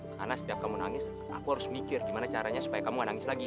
karena setiap kamu nangis aku harus mikir gimana caranya supaya kamu nggak nangis lagi